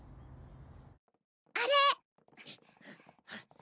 あれ！